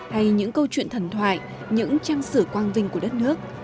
hay những câu chuyện thần thoại những trang sử quang vinh của đất nước